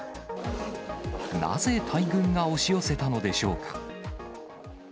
なぜ大群が押し寄せたのでしょうか。